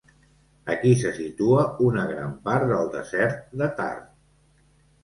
Aquí se situa una gran part del desert de Thar.